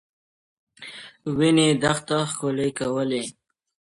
وینې دښته ښکلې کولې.